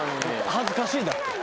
恥ずかしいんだって。